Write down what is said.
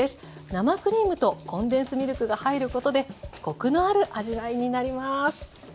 生クリームとコンデンスミルクが入ることでコクのある味わいになります。